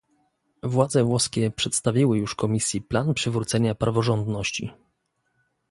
Władze włoskie przedstawiły już Komisji plan przywrócenia praworządności